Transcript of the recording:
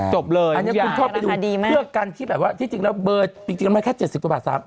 จบเลยอันนี้คุณชอบไปดูเพื่อกันที่แบบว่าที่จริงแล้วเบอร์จริงแล้วมันแค่๗๐กว่าบาท